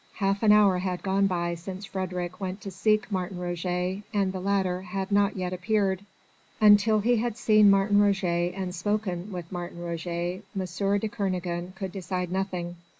Half an hour had gone by since Frédérick went to seek Martin Roget, and the latter had not yet appeared. Until he had seen Martin Roget and spoken with Martin Roget M. de Kernogan could decide nothing.